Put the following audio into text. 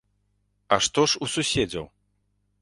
А што ж у суседзяў?